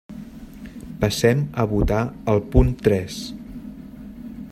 Passem a votar el punt tres.